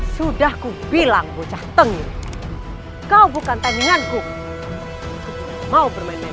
sudah kubilang bocah tengu kau bukan tandinganku mau bermain main lagi